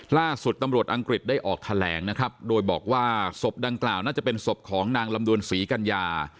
ล่าสุดตำรวจอังกฤษได้ออกแถลงนะครับโดยบอกว่าศพดังกล่าวน่าจะเป็นศพของนางลำดวนศรีกัญญา